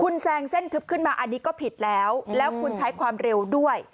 คุณแซงเส้นทึบขึ้นมาอันนี้ก็ผิดแล้วแล้วคุณใช้ความเร็วด้วย